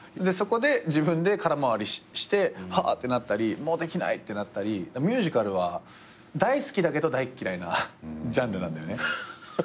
そこで自分で空回りしてはぁってなったりもうできないってなったりミュージカルは大好きだけど大嫌いなジャンルなんだよね。